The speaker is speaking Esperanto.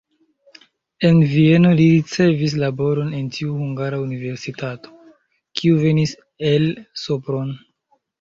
En Vieno li ricevis laboron en tiu hungara universitato, kiu venis el Sopron.